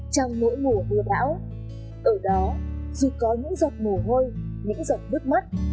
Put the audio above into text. trong mỗi mùa mưa đảo ở đó dù có những giọt mồ hôi những giọt bước mắt